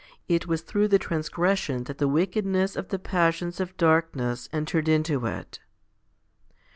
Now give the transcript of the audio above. It was through the transgression that the wickedness of the passions of darkness entered into it.